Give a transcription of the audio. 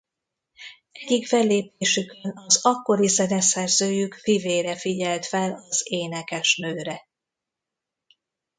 Egyik fellépésükön az akkori zeneszerzőjük fivére figyelt fel az énekesnőre.